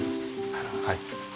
なるほど。